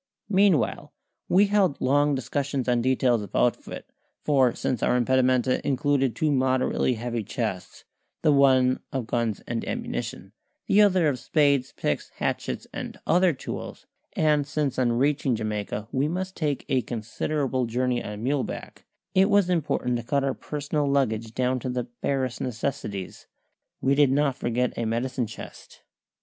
Meanwhile we held long discussions on details of outfit, for since our impedimenta included two moderately heavy chests the one of guns and ammunition, the other of spades, picks, hatchets, and other tools and since on reaching Jamaica we must take a considerable journey on muleback, it was important to cut our personal luggage down to the barest necessities. We did not forget a medicine chest.